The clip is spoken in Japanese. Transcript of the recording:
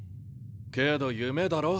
けど夢だろ？